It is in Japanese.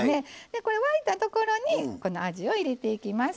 これ沸いたところにこのあじを入れていきます。